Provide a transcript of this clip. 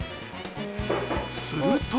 すると。